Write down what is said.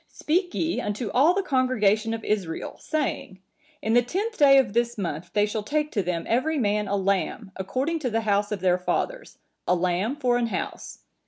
Speak ye unto all the congregation of Israel, saying, In the tenth day of this month they shall take to them every man a lamb, according to the house of their fathers, a lamb for an house.